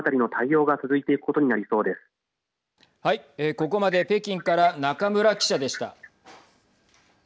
ここまで北京から中村記者でした。